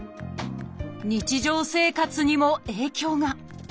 日常生活にも影響が。